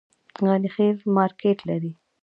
غني خیل مارکیټ لري؟